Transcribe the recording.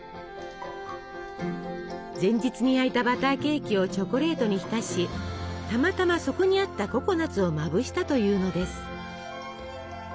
前日に焼いたバターケーキをチョコレートに浸したまたまそこにあったココナツをまぶしたというのです。